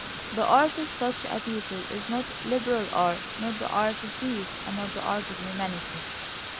The art of such a people is not liberal art, not the art of peace, and not the art of humanity.